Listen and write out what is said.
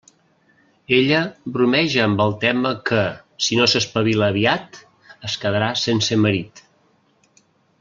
Ella bromeja amb el tema que, si no s'espavila aviat, es quedarà sense marit.